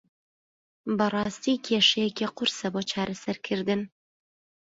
بەڕاستی کێشەیەکی قورسە بۆ چارەسەرکردن.